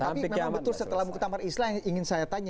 tapi memang betul setelah muktamar islah yang ingin saya tanya